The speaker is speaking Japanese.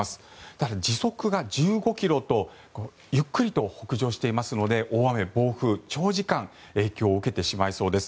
ただ、時速が１５ｋｍとゆっくりと北上していますので大雨、暴風、長時間影響を受けてしまいそうです。